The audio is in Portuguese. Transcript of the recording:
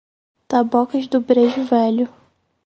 Tabocas do Brejo Velho